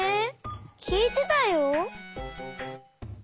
きいてたよ！